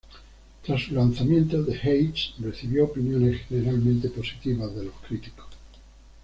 Tras su lanzamiento, "The Heist" recibió opiniones generalmente positivas de los críticos.